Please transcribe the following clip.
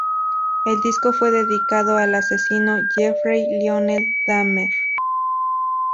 El disco fue dedicado al asesino Jeffrey Lionel Dahmer.